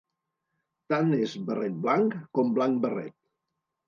Tant és barret blanc com blanc barret.